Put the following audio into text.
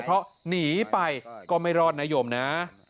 เพราะหนีไปก็ไม่รอดนะโยมนะ